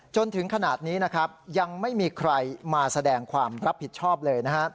จนถึงขนาดนี้ยังไม่มีใครมาแสดงความรับผิดชอบเลย